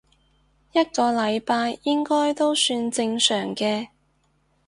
一個禮拜應該都算正常嘅